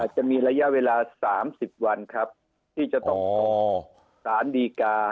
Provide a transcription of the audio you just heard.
จะมีระยะเวลา๓๐วันครับที่จะต้องรอสารดีกา